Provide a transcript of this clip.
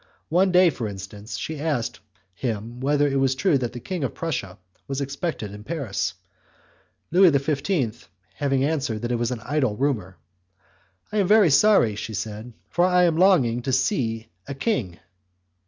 One day, for instance, she asked him whether it was true that the king of Prussia was expected in Paris. Louis XV. having answered that it was an idle rumour, "I am very sorry," she said, "for I am longing to see a king."